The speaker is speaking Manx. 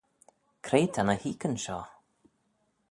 Cre ta ny h-oikyn shoh?